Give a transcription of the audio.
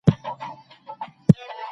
له ځان سره رښتينی اوسه